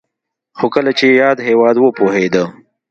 خو کله چې یاد هېواد وپوهېده